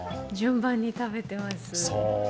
順番に食べてます。